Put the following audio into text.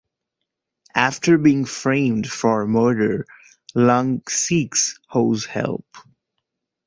After being framed for murder, Lung seeks Ho's help.